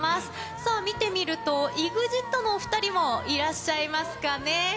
さあ、見てみると、ＥＸＩＴのお２人もいらっしゃいますかね。